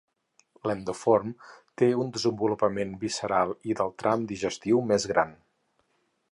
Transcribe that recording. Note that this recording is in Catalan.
L'endomorf té un desenvolupament visceral i del tram digestiu més gran.